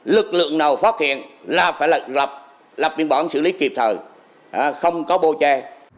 lực lượng nào phát hiện là phải lập biên bản xử lý kịp thời không có bao che